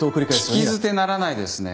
聞き捨てならないですね。